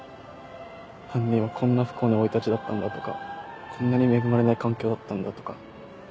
「犯人はこんな不幸な生い立ちだったんだ」とか「こんなに恵まれない環境だったんだ」とか。